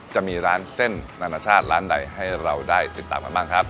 จะมีร้านเส้นนานาชาติร้านใดให้เราได้ติดตามกันบ้างครับ